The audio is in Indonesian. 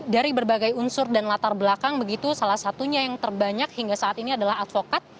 dari berbagai unsur dan latar belakang begitu salah satunya yang terbanyak hingga saat ini adalah advokat